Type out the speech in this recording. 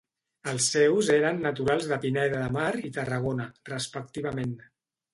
Els seus eren naturals de Pineda de Mar i Tarragona, respectivament.